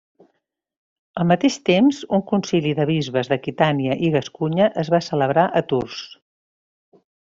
Al mateix temps un concili de bisbes d'Aquitània i Gascunya es va celebrar a Tours.